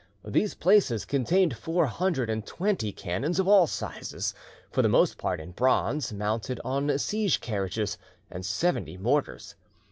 These places contained four hundred and twenty cannons of all sizes, for the most part in bronze, mounted on siege carriages, and seventy mortars.